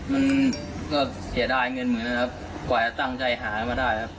มันก็เสียดายเงินเหมือนกันครับกว่าจะตั้งใจหามาได้ครับ